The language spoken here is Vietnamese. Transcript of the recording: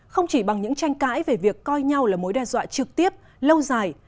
không chỉ bằng những tranh cãi về việc coi nhau là mối đe dọa trực tiếp lâu dài